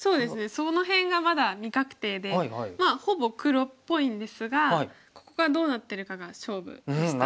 その辺がまだ未確定でまあほぼ黒っぽいんですがここがどうなってるかが勝負でした。